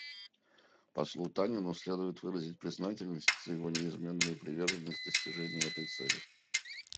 Послу Танину следует выразить признательность за его неизменную приверженность достижению этой цели.